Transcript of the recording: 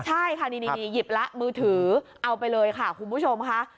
ใช่ค่ะนี่หยิบแล้วมือถือเอาไปเลยค่ะคุณผู้ชมค่ะ